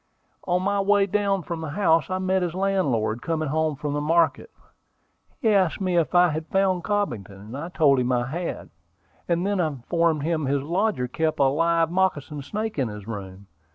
On my way down from the house I met his landlord, coming home from the market. He asked me if I had found Cobbington. I told him I had, and then informed him his lodger kept a live moccasin snake in his room.